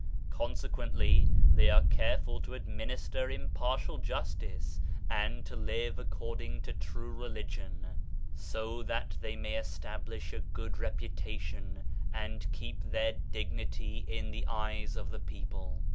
Consequently they are careful to administer im partial justice, and to live according to true re ligion, so that they may establish a good reputation and keep their dignity in the eyes of the people.